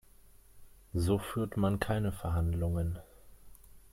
So führt man keine Verhandlungen.